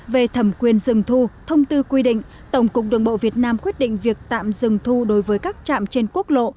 về thẩm quyền dừng thu thông tư quy định tổng cục đường bộ việt nam quyết định việc tạm dừng thu đối với các trạm trên quốc lộ